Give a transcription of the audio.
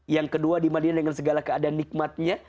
yang kedua di madinah dengan segala keadaan nikmatnya